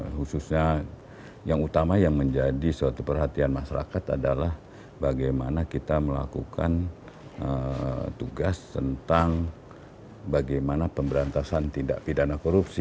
khususnya yang utama yang menjadi suatu perhatian masyarakat adalah bagaimana kita melakukan tugas tentang bagaimana pemberantasan tindak pidana korupsi